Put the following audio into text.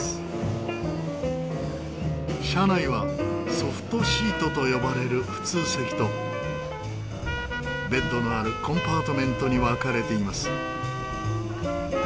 車内はソフトシートと呼ばれる普通席とベッドのあるコンパートメントに分かれています。